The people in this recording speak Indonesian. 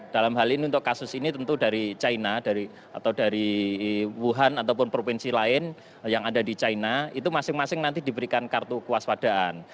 dalam hal ini untuk kasus ini tentu dari china atau dari wuhan ataupun provinsi lain yang ada di china itu masing masing nanti diberikan kartu kuas padaan